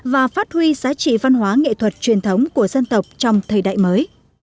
và phát huy giá trị văn hóa nghệ thuật truyền thống của dân tộc trong thời đại mới